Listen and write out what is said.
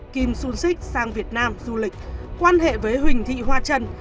kim xuân xích sang việt nam du lịch quan hệ với huỳnh thị hoa trần